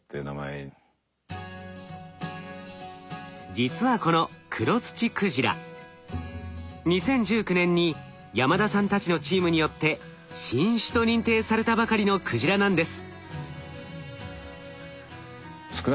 実はこのクロツチクジラ２０１９年に山田さんたちのチームによって新種と認定されたばかりのクジラなんです。